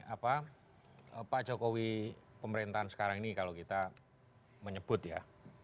apa pak jokowi pemerintahan sekarang ini kalau kita menyebut ya